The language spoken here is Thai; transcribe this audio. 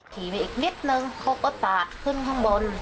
ขี่ไปอีกนิดนึงเขาก็สาดขึ้นข้างบน